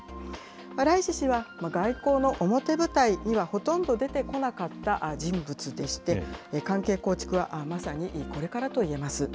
ライシ氏は外交の表舞台にはほとんど出てこなかった人物でして、関係構築はまさにこれからといえます。